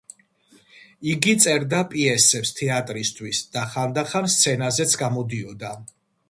იგი წერდა პიესებს თეატრისთვის და ხანდახან სცენაზეც გამოდიოდა.